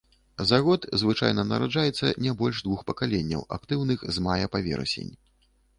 За год звычайна нараджаецца не больш двух пакаленняў, актыўных з мая па верасень.